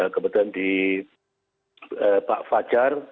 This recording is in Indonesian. kemudian juga pak fajar